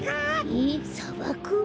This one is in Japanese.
えっさばく？